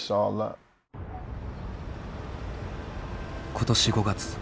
今年５月。